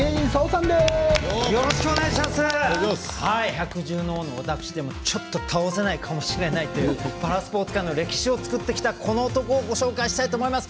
百獣の王の私でもちょっと、倒せないかもしれないというパラスポーツ界の歴史を作ってきた個の男をご紹介したいと思います。